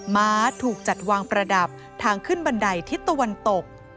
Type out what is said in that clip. ม้าถูกจัดวางประดับทางขึ้นบันไดทิศตะวันตก